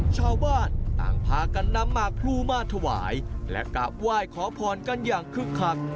ชาวบ้านต่างพากันนำหมากพลูมาถวายและกราบไหว้ขอพรกันอย่างคึกคัก